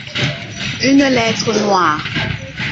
Une lettre noire.